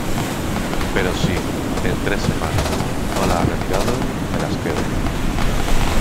pero si , en tres semanas , no la has retirado , me las quedo .